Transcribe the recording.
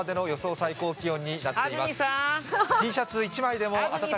最高気温になっています。